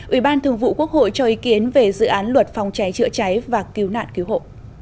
ủy ban thường vụ quốc hội cho ý kiến về dự án luật phòng cháy chữa cháy và cứu nạn cứu hộ